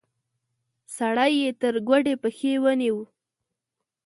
سړی يې تر ګوډې پښې ونيو.